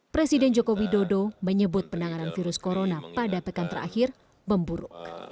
presiden joko widodo menyebut penanganan virus corona pada pekan terakhir memburuk